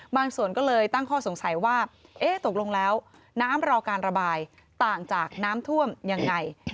ส่วนก็เลยตั้งข้อสงสัยว่าเอ๊ะตกลงแล้วน้ำรอการระบายต่างจากน้ำท่วมยังไง